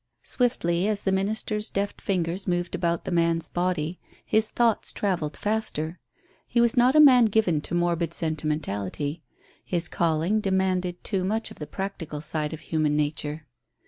Swiftly as the minister's deft fingers moved about the man's body, his thoughts travelled faster. He was not a man given to morbid sentimentality; his calling demanded too much of the practical side of human nature.